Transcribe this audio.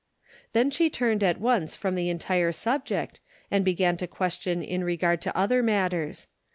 Then she turned at once from the entire sub ject, and began to question in regard to other matters.